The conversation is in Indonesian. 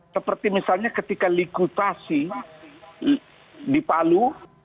seperti misalnya ketika likutasi di palu